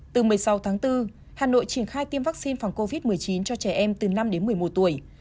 từ một mươi sáu tháng bốn hà nội triển khai tiêm vaccine phòng covid một mươi chín cho trẻ em từ năm đến một mươi một tuổi